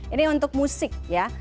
ini untuk musik ya